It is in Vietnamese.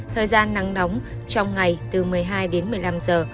thời gian nắng nóng trong ngày từ một mươi hai đến một mươi năm giờ